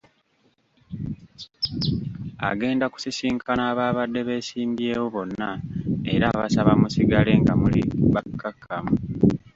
Agenda kusisinkana abaabadde beesimbyewo bonna era abasaba musigale nga muli bakkakkamu.